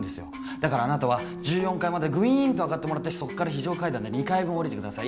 だからあなたは１４階までグイーンとあがってもらってそっから非常階段で２階分降りてください。